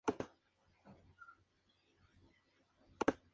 El retablo lateral derecho está dedicado a Nuestra Señora del Rosario.